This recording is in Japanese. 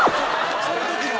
その時の。